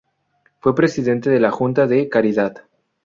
Fue Presidente de la Junta de Caridad.